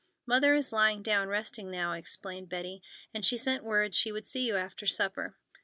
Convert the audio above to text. "Mother is lying down, resting now," explained Betty, "and sent word she would see you after supper."